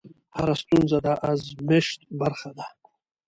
هره ستونزه د ازمېښت برخه ده.